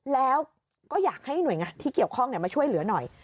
แล้วก็อยากให้หน่วยงานที่เกี่ยวข้องมาช่วยเหลือหน่อย